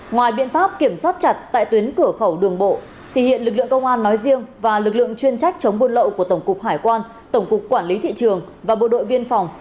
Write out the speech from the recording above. ngoài biện pháp kiểm soát chặt tại tuyến cửa khẩu đường bộ thì hiện lực lượng công an nói riêng và lực lượng chuyên trách chống buôn lậu của tổng cục hải quan tổng cục quản lý thị trường và bộ đội biên phòng